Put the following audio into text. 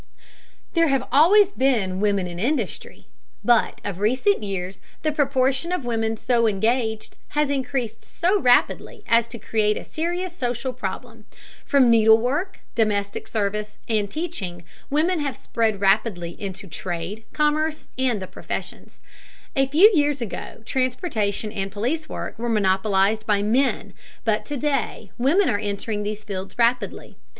There have always been women in industry, but of recent years the proportion of women so engaged has increased so rapidly as to create a serious social problem. From needlework, domestic service, and teaching, women have spread rapidly into trade, commerce, and the professions. A few years ago transportation and police work were monopolized by men, but to day women are entering these fields rapidly.